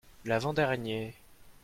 L'avant-dernier